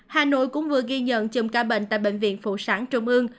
hà nội cũng vừa ghi nhận chùm ca bệnh tại bệnh viện phụ sản trung ương